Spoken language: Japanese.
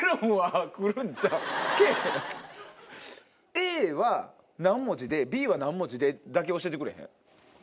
Ａは何文字でＢは何文字でだけ教えてくれへん？